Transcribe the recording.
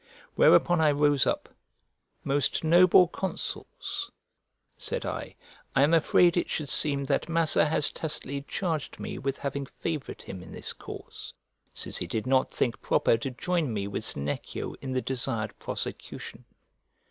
Whereupon I rose up; "Most noble consuls," said I, "I am afraid it should seem that Massa has tacitly charged me with having favoured him in this cause, since he did not think proper to join me with Senecio in the desired prosecution."